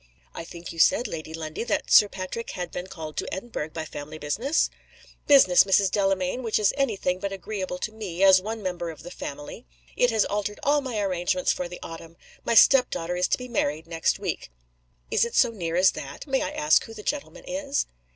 "I think you said, Lady Lundie, that Sir Patrick had been called to Edinburgh by family business?" "Business, Mrs. Delamayn, which is any thing but agreeable to me, as one member of the family. It has altered all my arrangements for the autumn. My step daughter is to be married next week." "Is it so near as that? May I ask who the gentleman is?"